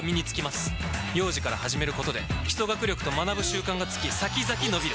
幼児から始めることで基礎学力と学ぶ習慣がつき先々のびる！